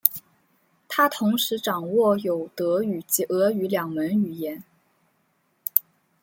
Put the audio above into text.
他同时掌握有德语及俄语两门语言。